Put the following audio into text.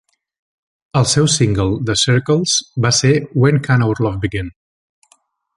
El seu single de "Circles" va ser "When Can Our Love Begin".